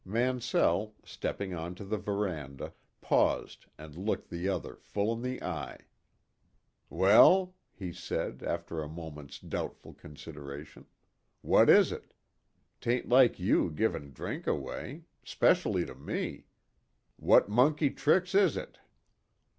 Mansell, stepping on to the veranda, paused and looked the other full in the eye. "Well," he said, after a moment's doubtful consideration, "what is it? 'Tain't like you givin' drink away 'specially to me. What monkey tricks is it?"